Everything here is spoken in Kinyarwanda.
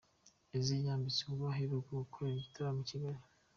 Eazi yambitse ubwo aheruka gukorera igitaramo i Kigali.